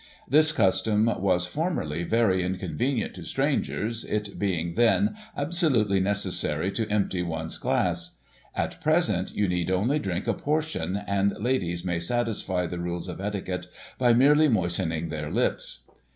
This custom was, formerly, very inconvenient to strangers, it being, then, absolutely necessary to empty one*s glass ; at present, you need only drink a portion, and ladies may satisfy the rules of etiquette by merely moistening their lips.